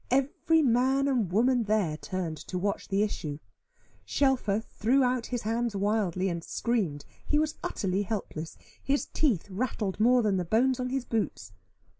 Every man and woman there turned to watch the issue. Shelfer threw out his hands wildly, and screamed: he was utterly helpless, his teeth rattled more than the bones on his boots.